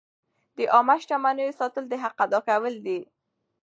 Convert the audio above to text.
د عامه شتمنیو ساتل د حق ادا کول دي.